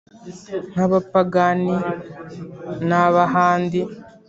Nk'abapagani n'ab'ahandi